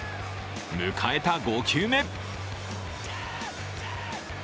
迎えた５球目。